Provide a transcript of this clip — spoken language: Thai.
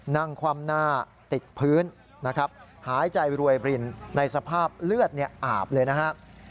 คว่ำหน้าติดพื้นนะครับหายใจรวยบรินในสภาพเลือดอาบเลยนะครับ